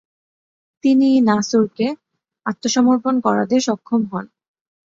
তিনি নাসরকে আত্মসমর্পণ করাতে সক্ষম হন।